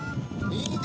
いいね